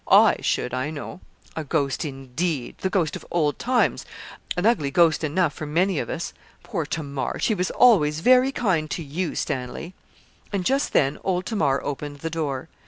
I should, I know.' 'A ghost indeed, the ghost of old times, an ugly ghost enough for many of us. Poor Tamar! she was always very kind to you, Stanley.' And just then old Tamar opened the door.